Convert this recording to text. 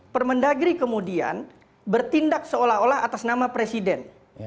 permendagri kemudian bertindak seolah olah atas nama presiden